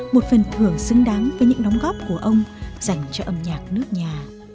một phần thưởng xứng đáng với những đóng góp của ông dành cho âm nhạc nước nhà